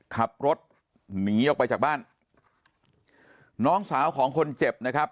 ขับรถหนีออกไปจากบ้านน้องสาวของคนเจ็บนะครับ